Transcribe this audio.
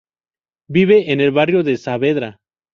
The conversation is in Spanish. Vive en el barrio de Saavedra.